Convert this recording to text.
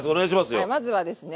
はいまずはですね